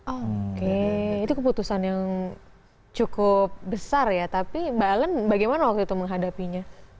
oke itu keputusan yang cukup besar ya tapi mbak ellen bagaimana waktu itu menghadapinya